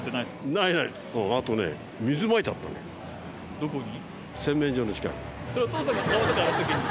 どこに？